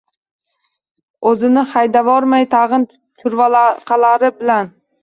O`zini haydavormay tag`in churvaqalari bilan